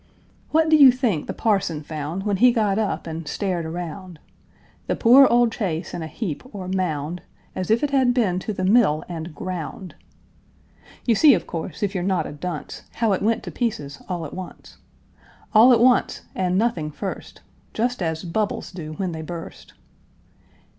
What do you think the parson found, When he got up and stared around? The poor old chaise in a heap or mound, As if it had been to the mill and ground! You see, of course, if you're not a dunce, How it went to pieces all at once, All at once, and nothing first, Just as bubbles do when they burst.